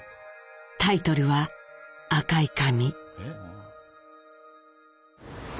タイトルは「赤い紙」。